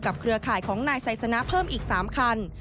เครือข่ายของนายไซสนะเพิ่มอีก๓คัน